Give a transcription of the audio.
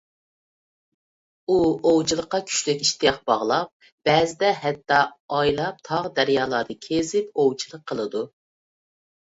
ئۇ ئوۋچىلىققا كۈچلۈك ئىشتىياق باغلاپ، بەزىدە ھەتتا ئايلاپ تاغ-دالالارنى كېزىپ ئوۋچىلىق قىلىدۇ.